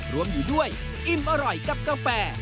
รวมอยู่ด้วยอิ่มอร่อยกับกาแฟ